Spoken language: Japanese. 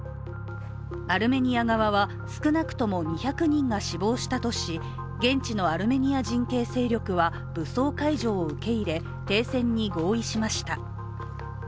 アルメニア側は少なくとも２００人が死亡したとし現地のアルメニア人系勢力は武装解除を受け入れ、停戦に合意しました。